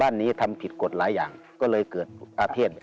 นี้ทำผิดกฎหลายอย่างก็เลยเกิดอาเภษ